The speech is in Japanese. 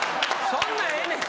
そんなんええねん！